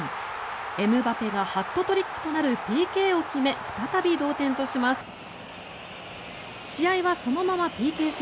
エムバペがハットトリックとなるＰＫを決め再び同点とします。